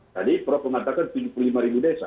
tadi prof mengatakan tujuh puluh lima ribu desa